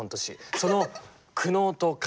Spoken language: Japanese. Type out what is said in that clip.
その苦悩と葛藤。